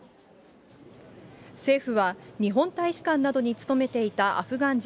政府は日本大使館などに勤めていたアフガン人